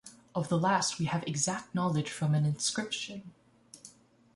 Of the last we have exact knowledge from an inscription.